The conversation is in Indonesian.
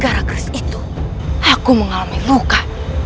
gara gara kris itu aku mengalami luka